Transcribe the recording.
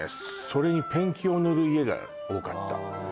それにペンキを塗る家が多かったあああ